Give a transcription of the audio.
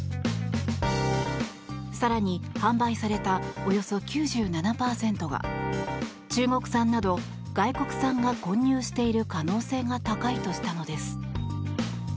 更に、販売されたおよそ９７％が中国産など外国産が混入している可能性が高いとしたのです。